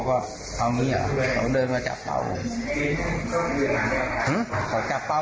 ผมถามแม่เขาว่า